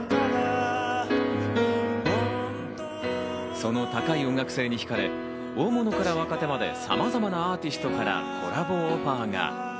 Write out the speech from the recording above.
その高い音楽性にひかれ、大物から若手まで様々なアーティストからコラボオファーが。